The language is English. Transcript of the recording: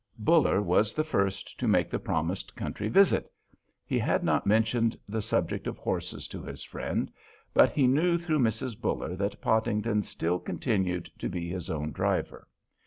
Buller was the first to make the promised country visit. He had not mentioned the subject of horses to his friend, but he knew through Mrs. Buller that Podington still continued to be his own driver.